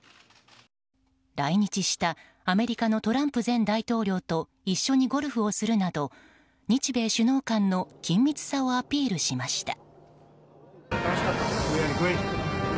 来日したアメリカのトランプ前大統領と一緒にゴルフをするなど日米首脳間の緊密さをアピールしました。